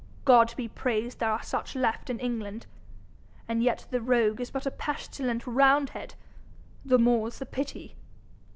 God be praised there are such left in England! And yet the rogue is but a pestilent roundhead the more's the pity!